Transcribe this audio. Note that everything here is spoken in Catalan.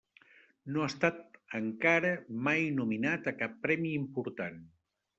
No ha estat encara mai nominat a cap premi important.